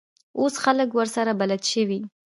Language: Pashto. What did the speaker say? اوس خلک ورسره بلد شوي.